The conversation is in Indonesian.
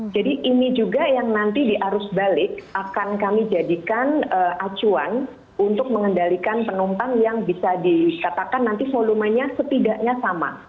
jadi ini juga yang nanti di arus balik akan kami jadikan acuan untuk mengendalikan penumpang yang bisa dikatakan nanti volumenya setidaknya sama